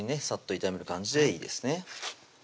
サッと炒める感じでいいですね